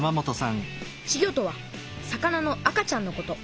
稚魚とは魚の赤ちゃんのこと。